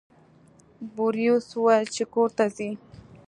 بوریس وویل چې کور ته ځئ.